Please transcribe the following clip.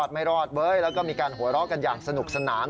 ไม่รอดเว้ยแล้วก็มีการหัวเราะกันอย่างสนุกสนาน